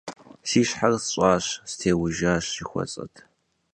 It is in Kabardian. Си щхьэр сщӀащ – «стеужащ» жыхуэсӀэт.